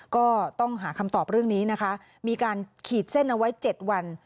ก็ต้องหาคำตอบเรื่องนี้นะคะมีการขีดเส้นเอาไว้๗วัน